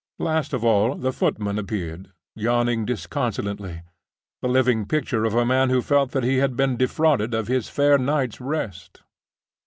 Last of all, the footman appeared, yawning disconsolately; the living picture of a man who felt that he had been defrauded of his fair night's rest.